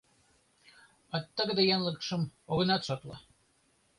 А тыгыде янлыкшым огынат шотло.